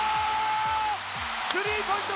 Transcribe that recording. スリーポイント